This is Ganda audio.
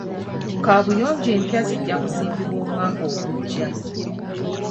Kaabuyonjo empya zijja kuzimbibwa omwaka ogujja.